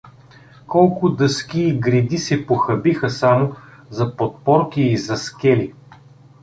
Колко дъски и греди се похабиха само за подпорки и за скели!